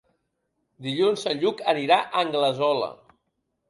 Dilluns en Lluc anirà a Anglesola.